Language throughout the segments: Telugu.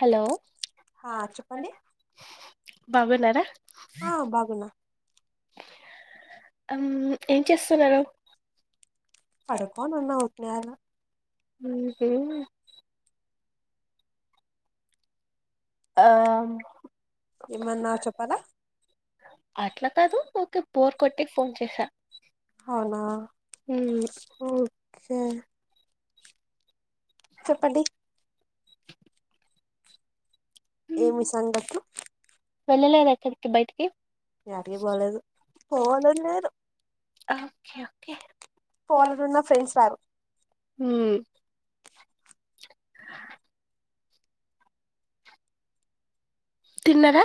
హలో బాగున్నారా ఆమ్ ఏం చేస్తున్నారు ఉహు ఆమ్ అట్లా కాదు ఓకే బోర్ కొట్టి ఫోన్ చేసా ఊ చెప్పండి ఏమి సంగతులు వెళ్ళలేదా ఎక్కడికి బయటికి యాడికి పోలేదు పోవాలనిలేదు హా పోవలున్న ఫ్రెండ్స్ రారు ఊ తిన్నార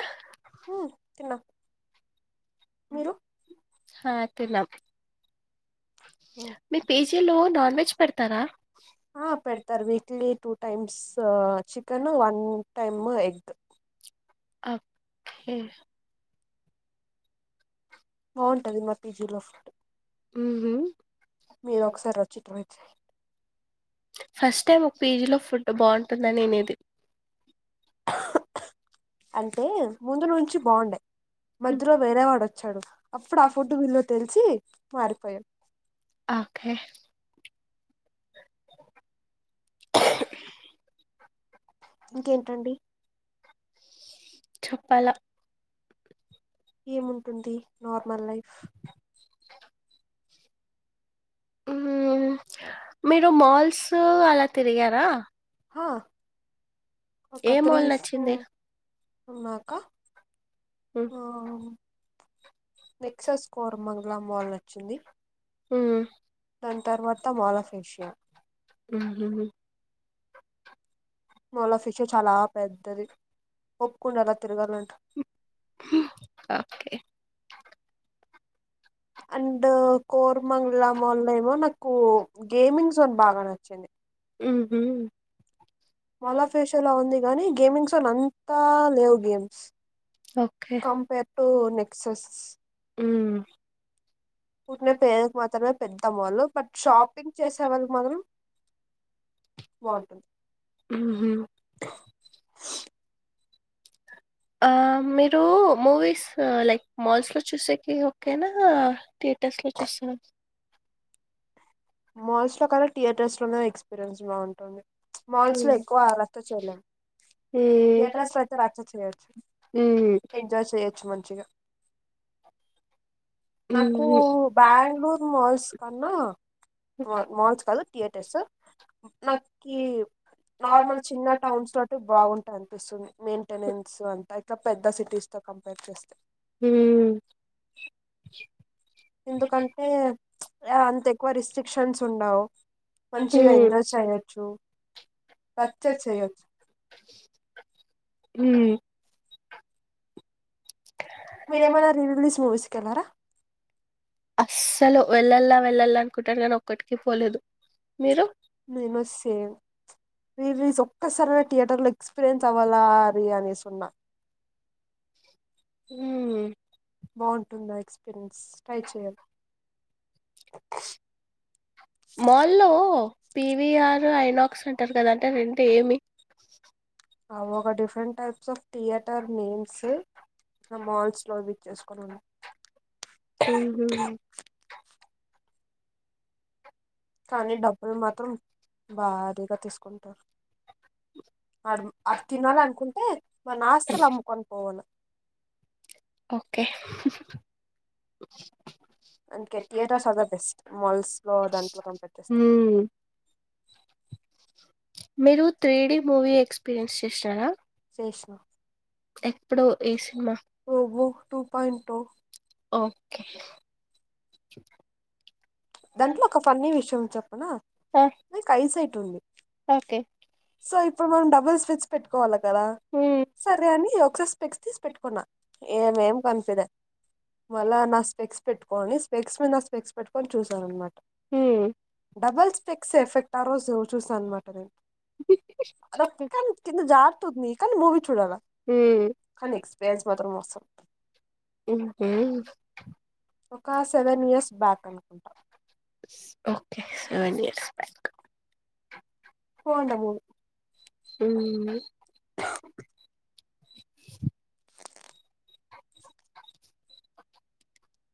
హా తిన్నాం మీ పిజీలో నాన్ వెజ్ పెడతారా ఆ పెడతారు weekly two times chicken one time egg ఆ కే బాగుంటది మా పీజీలో ఉహు మీరు ఒకసారి వచ్చి ట్రై చేయి ఫస్ట్ టైం ఒక పేజీలో ఫుడ్ బాగుంటుందని నేను వినేది అంటే ముందు నుంచి బాగుండే మధ్యలో వేరేవాడు వచ్చాడు అప్పుడు ఆ ఫుడ్డు విలువ తెలిసి మారిపోయా ఆ కే హా ఇంకేంటండి చెప్పాల ఏముంటుంది నార్మల్ లైఫ్ ఉమ్ హా ఒక త్రీ ఫోర్ వున్నక హ నెక్స స్కోర్ మంగలా మాల్ వచ్చింది దాని తర్వాత మాల [unintelligible] మల ఫిషు చాల పెద్దది ఒప్కుండలి అలా తిరగాలంట ఓకే అండ్ కోర్ మంగ్లా వాల్లో ఏమో నాకు గేమింగ్ జోన్ బాగ నచ్చింది ఉ హు మళా ఫేషయోలో ఉంది గానీ గేమింగ్స్ వాళు అంతా లేవు గేమ్స్ కంపేర్ టు నెక్సెస్ ఉ ఊరకనే పేరుకి మాత్రమే పెద్ద మాలు బట్ షాపింగ్ చేసే వాళ్లు మత్రం [unintelligible] ఆహ ఆ మీరు మూవీస్ లైక్ మాల్స్ లో చూసేకి ఓకేనా [unintelligible] మాల్స్ లో కంటే థియేటర్స్ లోనే ఎక్స్పీరియన్స్ బాగుంటుంది మాల్స్ లో ఎక్కువ [unintelligible] చేయలేం థియేటర్స్ లో అయితే రచ్చ చేయొచ్చు ఎంజాయ్ చేయొచ్చు మంచిగా నాకు బ్యాగ్ళూర్ మల్స్ కన్న మాల్స్ కాదు థియేటర్స్ నాకి నార్మల్ చిన్న టౌన్స్ లో బాగుంటాయి అనిపిస్తుంది మెయింటెనెన్స్ అంత [unintelligible] పెద్ద సిటీస్ తో కంపేర్ చేస్తే హు ఎందుకంటే అంత ఎక్కువ రిస్ట్రిక్షన్స్ ఉండవు మంచిగా ఎంజాయ్ చేయొచ్చు ఉ మీరేమన్న రిలీజ్ మూవీస్ కి ఏళ్ళార అస్సలు వెళ్ళలా వెళ్ళల్లా అనుకుంట కానీ ఒక్కటికి పోలేదు మీరు రీ రీలీజ్ ఒక్కసారి థియేటర్ లో ఎక్స్పీరియన్స్ అవ్వాల అనేసున్న ఊ బాగుంటుంది ఆ ఎక్స్పీరియన్స్ ట్రై చేయాలి మాల్లో పివఆర్ ఐనాక్స్ అంటారు కదా దయచేసి ఆడియోను వినండి మరియు ముందే నింపిన ట్రాన్స్క్రిప్షన్ సరిదిద్దండి. అవసరమైన చోట ట్యాగ్‌లను జోడించండి. పైన పేర్కొన్న వెర్బాటిమ్ ట్రాన్స్‌క్రిప్షన్ మార్గదర్శకాలను పాటిస్తున్నారని నిర్ధారించుకోండి అంటర్ అంటే ఏమి అ ఒక different types of theatre names malls లో అవి [unintelligible] హు హు మ్మ్ కానీ డబ్బులు మాత్రం భారీగ తీసుకుంటారు. అ అడ తినాలి అనుకుంటే మ ఆస్తులు అమ్ముకని పోవల ఓకే అందుకే theatres are the best malls లో హు మీరు త్రీ డి మూవీ ఎక్స్పీరియన్స్ చేసినర ఎష్న ఎప్పుడో ఏ సిన్మా ఓక్కే దాంట్లో ఒక ఫన్నీ విషయం చెప్పనా నీక్ ఐ సైటుంది సో ఇప్పుడు మనం డబుల్ స్విచ్ పెట్టుకోవాలి గదా సరే అనీ ఒకసారి స్పెక్ట్స్ తీసి పెట్టుకున్నా ఏం ఏంకనిపియలే మళ్ళ నా స్పెక్స్ పెట్టుకోని స్పెక్స్ మీద నా స్పెక్స్ పెట్టుకోని చూశామన్మాట డబల్ స్పెక్స్ ఎఫెక్ట్ ఆ రోజు చూసాన్మాట నేను. అదొ [unintelligible] కింద జారుతుంది కన్ మూవీ చూడాల కని ఎక్స్పీరియన్స్ మాత్రం మస్తుంట మ్మ్ హూ ఒకా సెవెనియర్స్ బ్యాక్ అనుకుంట ఓక్కే సెవెన్ ఇయర్స్ బ్యాక్ బోండమూ ఊ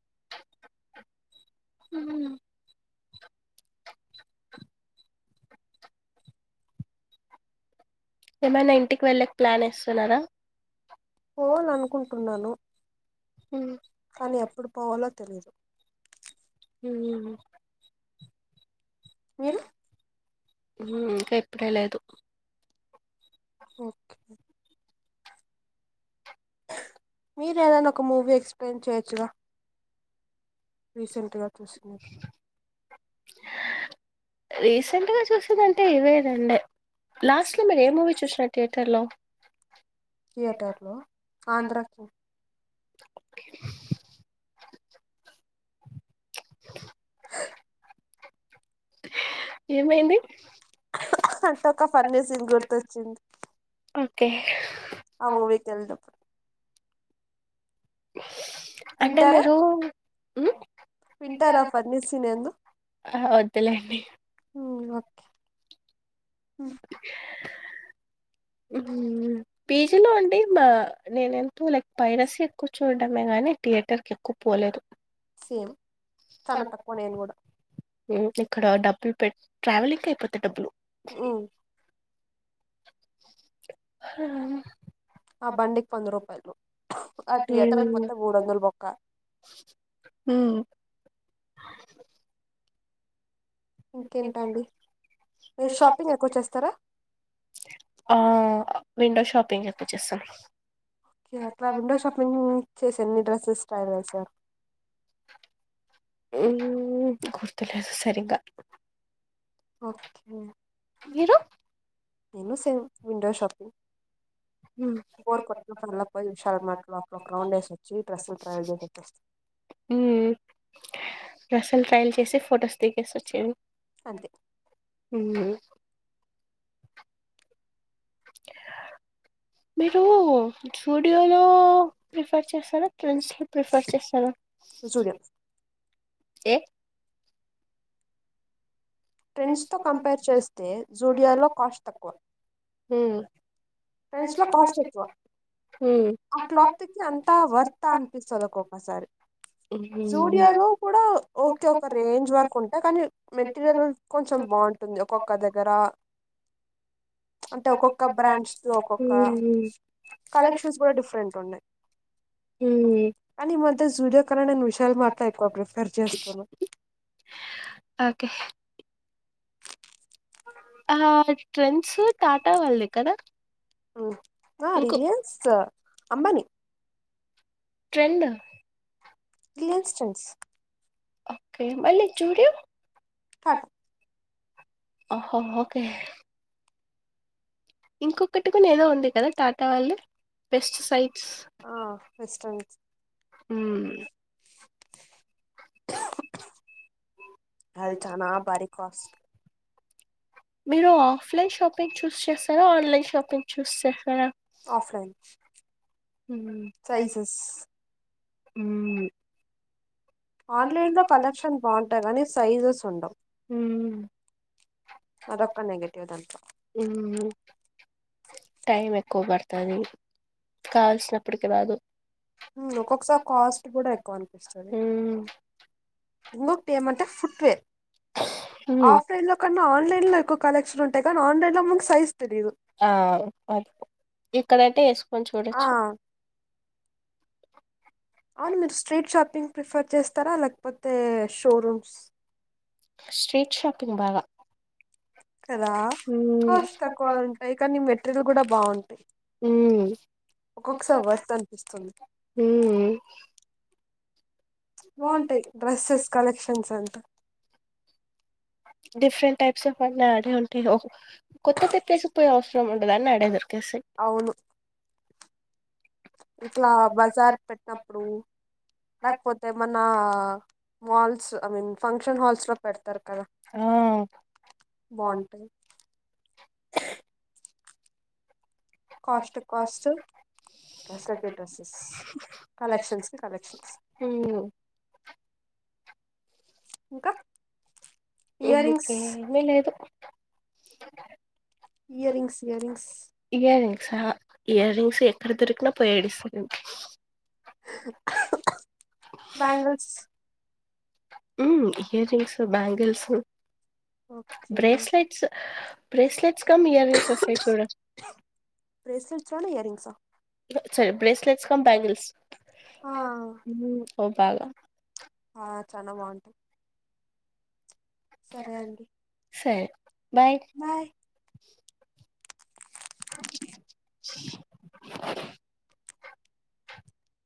[inaudible] ఏమైనా ఇంటికి వెళ్లే ప్లానేస్తున్నారా పోవాలనుకుంటున్నాను హూ కానీ ఎప్పుడు పోవాలొ తెలియదు ఊ ఉ ఉమ్మ్ ఇంక ఎప్పుడే లేదు ఓకె మీరే ఏదైనా ఒక మూవీ ఎక్స్ప్లెయిన్ చేయొచ్చుగా రీసెంట్గా చూసినది రీసెంట్గా చూసిందంటే ఇదేనండి లాస్ట్లో మీరేమూవీ చూష్నరు థియేటర్లో థియేటర్లో ఆంధ్రాకింగ్ [inaudible] [unintelligible] ఏమైంది అంటే ఒక ఫన్నీ సీన్ గుర్తొచ్చింది కె ఆ మూవీ తెల్దు అంటే మీరూ ఊ తింటారాండి ఆ వద్దులేండి మ్మ్ పీజీలో అండి మా నేనెంతో లైక్ పైన సీట్ కూర్చోడమే గాని థియేటర్స్కెక్కు పోలేదు సేమ్ చాన తక్కువ నేను గూడ ఉ ఇక్కడ డబ్బులు పెట్ ట్రావెలింగ్కే అయిపోతయ్ డబ్బులు ఉ హా ఆ బండిక్ వంద రూపాయలు ఆ థియేటర్క్ పోతే మూడోందలు బొక్క ఊ ఇంకేంటండి మీరు షాపింగ్ ఎక్కువ చేస్తారా ఆ విండో షాపింగ్ ఎక్కువ చేస్తా ఓకే అట్లా విండో షాపింగ్ చేసి ఎన్ని డ్రస్సెస్ ట్రై చేశా గుర్తులేదు సరిగ్గా ఓకే జీరు నేనూ సేమ్ విండో షాపింగ్ బోర్ కొట్టినప్పుడల్లా పొయ్యి విషాల్ మార్ట్లో అట్లా ఒక రౌండ్ ఏసి వచ్చి డ్రెస్సులు ట్రయల్ చేసి వచ్చేస్తా ఉమ్ డ్రస్సులు ట్రయల్ చేసి ఫొటోస్ దిగేసి వచ్చేను అంతే ఉమ్ ఊ మీరు జూడియోలో ప్రిఫర్ చేస్తారా ట్రెండ్స్ లో ప్రిఫర్ చేస్తారా జూడియో ఏ ట్రెండ్స్ తో కంపేర్ చేస్తే జూడియో లో కాస్ట్ తక్కువ ఊ ట్రెండ్స్ లో కాస్ట్ ఎక్కువ ఆ క్లాతిక్ లంతా వర్త్ అనిపిస్తది ఒక్కొక్కసారి [unintelligible] జూడియో లో కూడా ఓకే ఒక రేంజ్ వరకు ఉంటాయి కానీ మెటీరియల్ కొంచెం బావుంటు ఒక్కొక్క దగ్గర అంటే ఒక్కొక్క బ్రాంచ్ ఒక్కొక్క కలెక్షన్స్ కూడా డిఫరెంట్ ఉన్నాయి అండ్ ఈ మధ్య జూడియో కన్నా నేను విషాల్ మార్ట్ లో ఎక్కువ ప్రిఫర్ చేస్తాను అకే ఆ ట్రెండ్స్ టా టా వాళ్ళది కదా ఊ ఆ Reliance Ambani Reliance Trends okay మళ్లీ జూడియో కట ఆహో ఓకే ఇంకొక్కటి గూని ఏదో ఉంది కదా టా టా వాళ్ళది బెస్ట్ సైట్స్ ఉమ్మ్ అది చానా భారీ కాస్ట్ మీరు ఆఫ్లైన్ షాపింగ్ చూస్ చేస్తారా ఆన్లైన్ షాపింగ్ చూస్ చేస్తారా ఊ ఉమ్ ఊ ఊ టైం ఎక్కువ పడుతాది కావల్సినప్పటికి రాదు ఊ ఒక్కొక్కసారి కాస్ట్ కూడా ఎక్కువ అనిపిస్తది ఇంకొకటి ఏమంటే ఫుట్వేర్ ఆఫ్లైన్ లో కన్నా ఆన్లైన్ ల్ ఎక్కువ కలెక్షన్ ఉంటాయి కానీ ఆన్లైన్ లో ముంక్ సైజ్ ఆ ఇక్కడంటతే ఎసుకొని చూడచ్చు అవును మీరు స్ట్రీట్ షాపింగ్ ప్రిఫర్ చేస్తారా లేకపోతే షోరూమ్స్ స్ట్రీట్ షాపింగ్ బాగా కదా కాస్ట్ తక్కువ ఉంటాయి కానీ మెటీరియల్ కూడా బాగుం ఉమ్మ్ ఉమ్మ్ బాగుంటాయి డ్రెస్సెస్ కలెక్షన్స్ అంతా [inaudible] డిఫరెంట్ టైప్స్ ఆఫ్ అన్నీ ఆడే ఉంటాయి ఓ కొత్త ప్లేస్కి పోయయి అవసరం ఉండదు అన్ని ఆడే దొరికేస్తాయ్ అవును [inaudible] ఇట్లా బజార్ పెట్టినప్పుడు లేకపోతే ఎమన్నా మల్స్ ఐమిన్ ఫంక్షన్ హాల్స్లో పెడతారు కదా బాగుంటది [inaudible] [unintelligible] ఉమ్మ్ ఎందుకే ఎ లేదు ఇయర్ రింగ్స్ ఇయర్ రింగ్స్ సా ఇయర్ రింగ్స్ ఎక్కడ దొరికినా పోయిడిస్తాను బ్యాంగిల్స్ ఉమ్మ్ earrings bangles bracelets bracelets come earrings వస్తాయి చూడరా బ్రేస్లైట్స్లోనే ఇయర్ రింగ్సా సారీ బ్రేస్లెట్స్ కమ్ బ్యాంగిల్స్ ఉమ్మ్ అవి బాగా సరే బాయ్ [inaudible]